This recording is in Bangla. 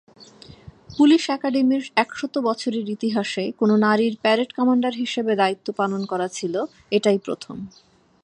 পুলিশ একাডেমীর একশত বছরের ইতিহাসে কোন নারীর প্যারেড কমান্ডার হিসেবে দায়িত্ব পালন করা ছিল এটাই প্রথম।